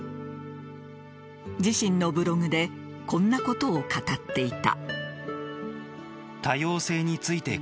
自身のブログでこんなことを語っていた。